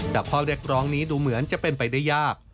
แต่ข้อเรียกร้องนี้ดูเหมือนจะเป็นไปได้ยาก